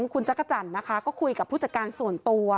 คุณจักรจันทร์นะคะก็คุยกับผู้จัดการส่วนตัว